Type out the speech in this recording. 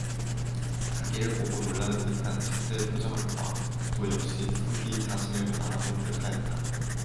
자기를 보고 놀라는 듯한 첫째의 표정을 보아 그도 역시 선비 자신을 알아본 듯하였다.